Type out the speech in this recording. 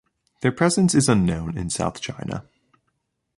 Their presence is unknown in South China.